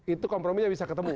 itu kompromennya bisa ketemu